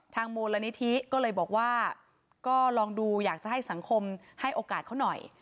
มูลนิธิก็เลยบอกว่าก็ลองดูอยากจะให้สังคมให้โอกาสเขาหน่อย